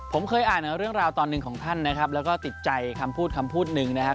ผมเคยอ่านเรื่องราวตอนหนึ่งของท่านนะครับแล้วก็ติดใจคำพูดคำพูดหนึ่งนะครับ